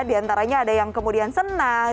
di antaranya ada yang kemudian senang